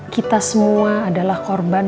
kita semua adalah korban